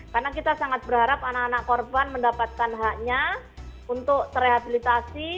karena kita sangat berharap anak anak korban mendapatkan haknya untuk terrehabilitasi